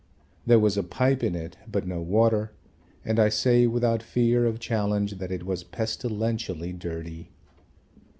There was a pipe in it but no water, and I say without fear of challenge that it was pestilentially dirty.